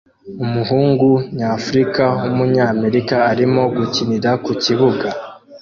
Umuhungu nyafrica wumunyamerika arimo gukinira ku kibuga